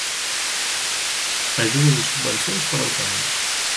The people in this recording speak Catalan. Ajudes i subvencions per a autònoms.